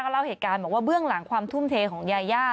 เล่าเหตุการณ์บอกว่าเบื้องหลังความทุ่มเทของยาย่า